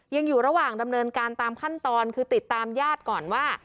ยังอยู่ระหว่างดำเนินการตามขั้นตอนคือติดตามญาติก่อนว่า